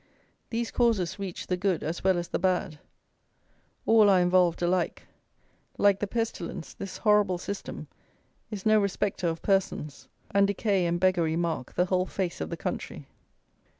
These causes reach the good as well as the bad: all are involved alike: like the pestilence, this horrible system is no respecter of persons; and decay and beggary mark the whole face of the country.